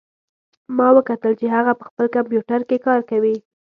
ما وکتل چې هغه په خپل کمپیوټر کې کار کوي